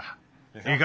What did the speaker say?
いいか？